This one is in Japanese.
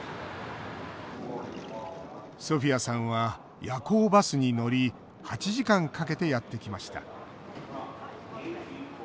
ソフィアさんは夜行バスに乗り８時間かけて、やってきました。